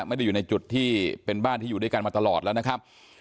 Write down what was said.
ไม่ได้อยู่ในจุดที่เป็นบ้านที่อยู่ด้วยกันมาตลอดแล้วนะครับ